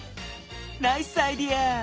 ナイスアイデア！